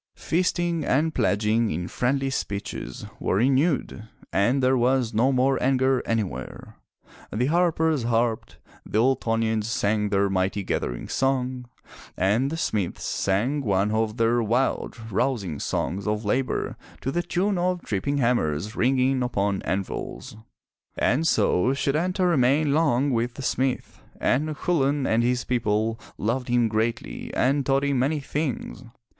Feasting and pledging in friendly speeches were renewed, and there was no more anger anywhere. The harpers harped, the Ultonians sang their mighty gathering song, and the smiths sang one of their wild, rousing songs of labor to the tune of tripping hammers ringing upon anvils. And so Setanta remained long with the smith, and Chulain and his people loved him greatly and taught him many things.